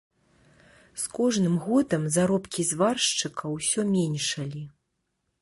З кожным годам заробкі зваршчыка ўсё меншалі.